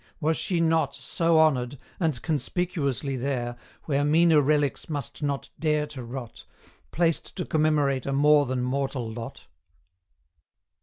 Was she not So honoured and conspicuously there, Where meaner relics must not dare to rot, Placed to commemorate a more than mortal lot?